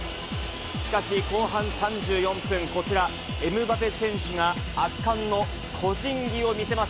しかし、後半３４分、こちら、エムバペ選手が圧巻の個人技を見せます。